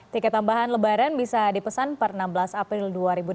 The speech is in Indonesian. tiket tambahan lebaran bisa dipesan per enam belas april dua ribu delapan belas